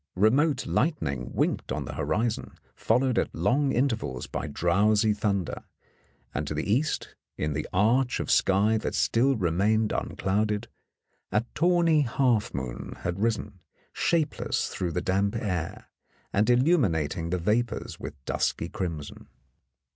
Remote light ning winked on the horizon, followed at long intervals by drowsy thunder, and to the east, in the arch of sky that still remained unclouded, a tawny half moon had risen, shapeless through the damp air, and illuminat ing the vapours with dusky crimson.